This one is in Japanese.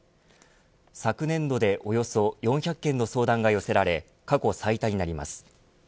昨年度でおよそ４００件の相談が寄せられ過去最多になります。